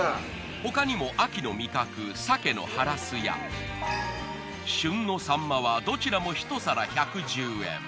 他にも秋の味覚さけのはらすや旬の秋刀魚はどちらも１皿１１０円。